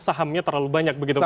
sahamnya terlalu banyak